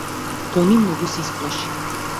Тони многу се исплаши.